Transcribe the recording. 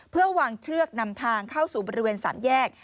เพื่อวางเชือกนำทางเข้าสู่บริเวณ๓แยก